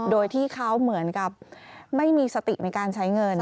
โดยที่เขาเหมือนกับไม่มีสติในการใช้เงิน